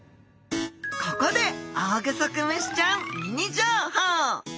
ここでオオグソクムシちゃんミニ情報！